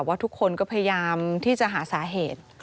ว่าทุกคนก็พยายามที่จะหาสาเหตุ